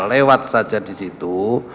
lewat saja di situ